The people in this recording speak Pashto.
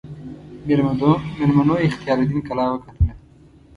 میلمنو اختیاردین کلا وکتله.